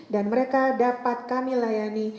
dan mereka dapat kami layani